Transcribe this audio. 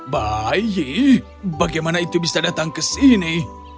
bayi bagaimana itu bisa datang ke sini